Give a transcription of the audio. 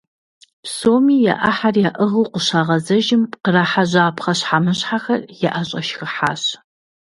Псоми я Ӏыхьэр яӀыгъыу къыщагъэзэжым, кърахьэжьа пхъэщхьэмыщхьэхэр яӀэщӀэшхыхьащ.